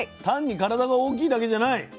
単に体が大きいだけじゃない？